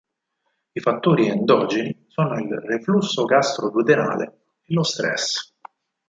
I fattori endogeni sono il reflusso gastro-duodenale e lo stress.